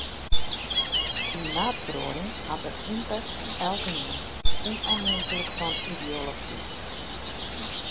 Klimaatferoaring hat in ympekt op elkenien, ûnôfhinklik fan ideology.